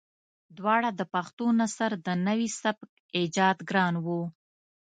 دواړه د پښتو نثر د نوي سبک ايجادګران وو.